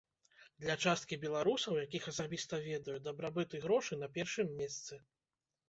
Для часткі беларусаў, якіх асабіста ведаю, дабрабыт і грошы на першым месцы.